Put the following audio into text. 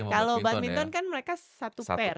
kalau badminton kan mereka satu pair